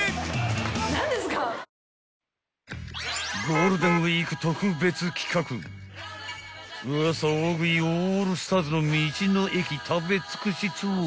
［ゴールデンウイーク特別企画ウワサ大食いオールスターズの道の駅食べ尽くしツアー］